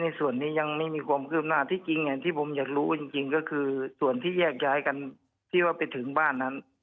ส่วนนี้ยังไม่มีความคืบหน้าที่จริงอย่างที่ผมอยากรู้จริงก็คือส่วนที่แยกย้ายกันที่ว่าไปถึงบ้านนั้น